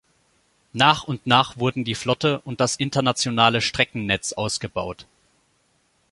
Nach und nach wurden die Flotte und das internationale Streckennetz ausgebaut.